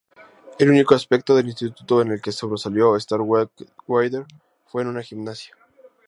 El único aspecto del instituto en el que sobresalió Starkweather fue en gimnasia.